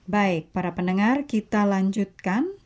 baik para pendengar kita lanjutkan